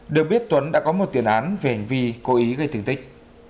được biết tuấn đã có một tiền án về hành vi cố ý gây thương tích